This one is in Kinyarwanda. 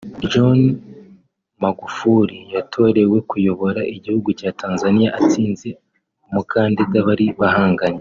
John Magufuli yatorewe kuyobora igihugu cya Tanzania atsinze umukandida bari bahangaye